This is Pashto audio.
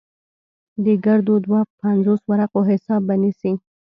د ګردو دوه پينځوس ورقو حساب به نيسې.